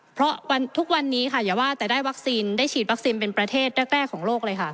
เพราะทุกวันนี้ค่ะอย่าว่าแต่ได้วัคซีนได้ฉีดวัคซีนเป็นประเทศแรกของโลกเลยค่ะ